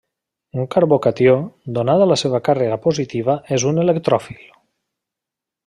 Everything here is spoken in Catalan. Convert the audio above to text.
Un carbocatió, donada la seva càrrega positiva és un electròfil.